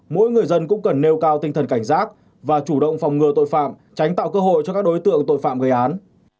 mỗi người dân cũng cần nêu cao tinh thần cảnh giác và chủ động phòng ngừa tội phạm tránh tạo cơ hội cho các đối tượng tội phạm gây án